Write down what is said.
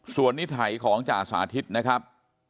ส่วนนิถัยของจ่าสาธิตนะครับ